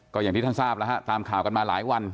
ก็อย่างที่ท่านทราบแล้วฮะตามข่าวกันมาหลายวัน